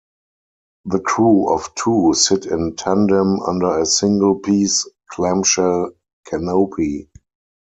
The crew of two sit in tandem under a single-piece clamshell canopy.